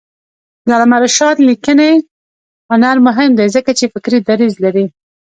د علامه رشاد لیکنی هنر مهم دی ځکه چې فکري دریځ لري.